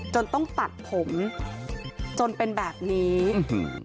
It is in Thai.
จนต้องตัดผมจนเป็นแบบนี้อื้อหือ